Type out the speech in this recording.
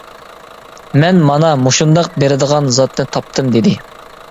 مەن مانا مۇشۇنداق بېرىدىغان زاتنى تاپتىم دېدى.